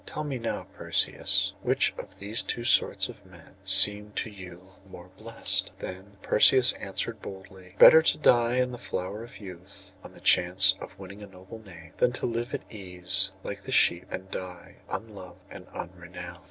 Tell me now, Perseus, which of these two sorts of men seem to you more blest?' Then Perseus answered boldly: 'Better to die in the flower of youth, on the chance of winning a noble name, than to live at ease like the sheep, and die unloved and unrenowned.